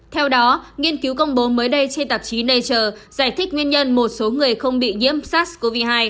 theo đó nghiên cứu công bố mới đây trên tạp chí nature giải thích nguyên nhân một số người không bị nhiễm sars cov hai